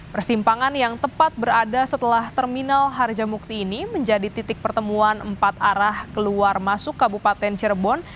persimpangan yang tepat berada setelah terminal harjamukti ini menjadi titik pertemuan empat arah keluar masuk kabupaten cirebon